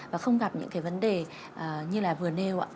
và không gặp những vấn đề như là vừa nêu